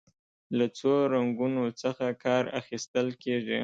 له څو رنګونو څخه کار اخیستل کیږي.